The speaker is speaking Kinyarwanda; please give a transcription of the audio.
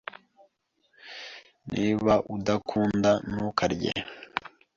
Niba udakunda, ntukarye.